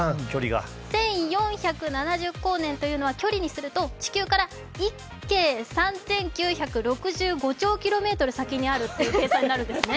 １４７０光年というのは距離にすると地球から１京３９６５兆キロメートル先にあるという計算になるんですね。